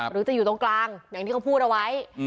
หรือจะอยู่ตรงกลางอย่างที่เขาพูดเอาไว้